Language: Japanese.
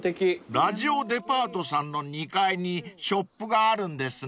［ラジオデパートさんの２階にショップがあるんですね］